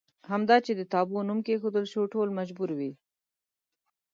همدا چې د تابو نوم کېښودل شو ټول مجبور وي.